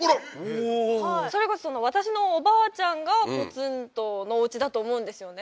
おおーそれこそ私のおばあちゃんがポツンとのおうちだと思うんですよね